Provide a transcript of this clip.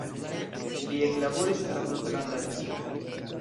Li eklaboris en la tutlanda arkivo.